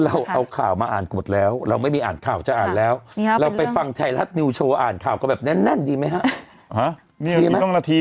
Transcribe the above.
แล้วก็เราพูดบอกว่าในรายการบอกว่าปวดฉี่อีกแล้วในนี้ก็ปวดฉี่